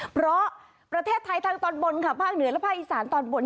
เพราะประเทศไทยทางตอนบนค่ะภาคเหนือและภาคอีสานตอนบน